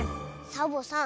サボさん